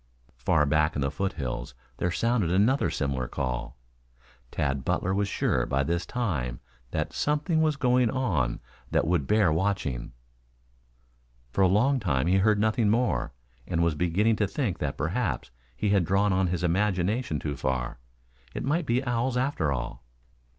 Far back in the foothills there sounded another similar call. Tad Butler was sure, by this time, that something was going on that would bear watching. For a long time he heard nothing more, and was beginning to think that perhaps he had drawn on his imagination too far. It might be owls after all.